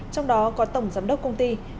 trong đó có tổng giám đốc công ty